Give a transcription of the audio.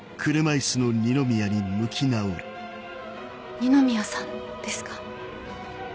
二宮さんですか？